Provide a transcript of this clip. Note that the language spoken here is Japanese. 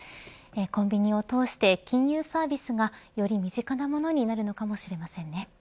コンビニを通して金融サービスがより身近なものになるのかもしれませんね。